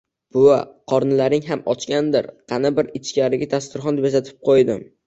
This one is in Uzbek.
Buvi: kornilaring xam ochgandir. Kani kir ichkariga dasturxon bezatib kuydim.